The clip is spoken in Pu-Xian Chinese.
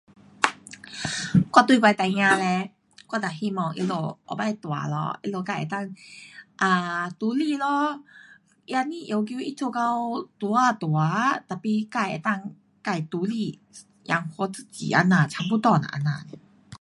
我对我的孩儿嘞，我就希望他们以后大了，他们自能够啊独立咯，也不要求他做到多呀大，tapi 自能够自独立。养活自己这样，差不多呐这样。